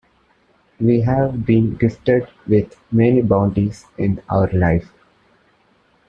We have been gifted with many bounties in our life.